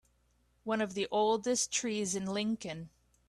One of the oldest trees in Lincoln.